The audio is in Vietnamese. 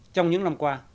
trong những năm qua